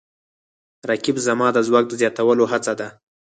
رقیب زما د ځواک د زیاتولو هڅه ده